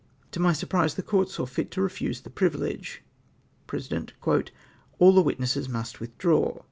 To my smprise the Coiut saw fit to refuse the privilege. Peesident. —" All the witnesses must withdraw."